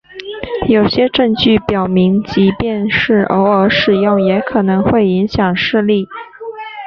有些证据表明即便是偶尔使用也可能会影响视力。